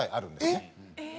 えっ！